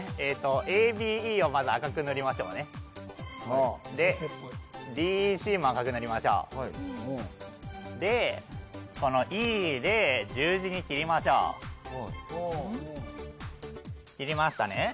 ＡＢＥをまず赤く塗りましょうねでＤＥＣも赤く塗りましょうでこのＥで十字に切りましょう切りましたね